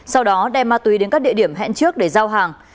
sau đó đem ma túy đến các địa điểm hẹn trước để giao hàng